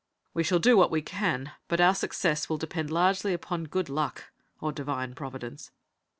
"We shall do what we can, but our success will depend largely upon good luck or Divine Providence."